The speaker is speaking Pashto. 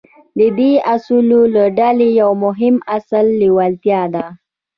د دې اصولو له ډلې يو مهم اصل لېوالتیا ده.